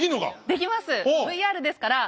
できます。